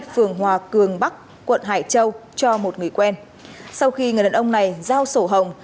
phường hòa cường bắc quận hải châu cho một người quen sau khi người đàn ông này giao sổ hồng